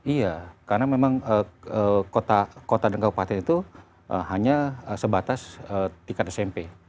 iya karena memang kota dan kabupaten itu hanya sebatas tingkat smp